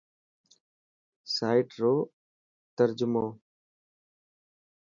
سائيٽ رو ترجمو.